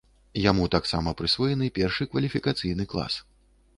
Яму таксама прысвоены першы кваліфікацыйны клас.